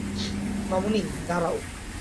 মামুনি, দাঁড়াও।